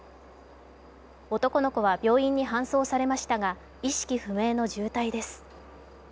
男の子は病院に搬送されましたが、意識不明の重体です。